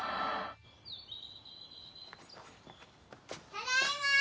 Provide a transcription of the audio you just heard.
・ただいま！